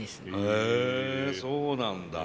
へえそうなんだ。